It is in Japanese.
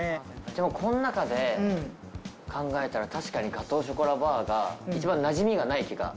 でも、この中で考えたら、確かにガトーショコラバーが一番なじみがない気が。